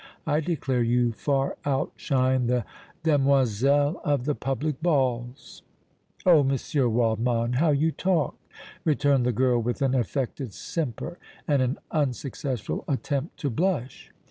I declare you far outshine the demoiselles of the public balls!" "Oh! Monsieur Waldmann, how you talk!" returned the girl, with an affected simper and an unsuccessful attempt to blush.